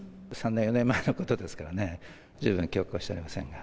３年、４年前のことですからね、十分記憶はしておりませんが。